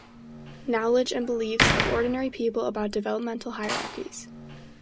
Knowledge and Beliefs of Ordinary People about Developmental Hierarchies.